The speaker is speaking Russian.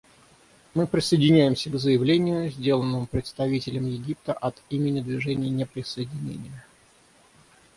Мы присоединяемся к заявлению, сделанному представителем Египта от имени Движения неприсоединения.